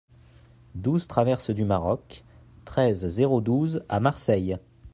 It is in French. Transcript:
douze traverse du Maroc, treize, zéro douze à Marseille